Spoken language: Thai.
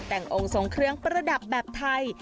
แต่งองค์ทรงเครื่องประดับแบบไทย